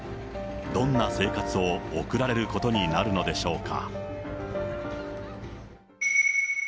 どんな生活を送られることになるのでしょうか。